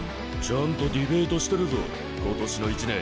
ちゃんとディベートしてるぞ今年の１年。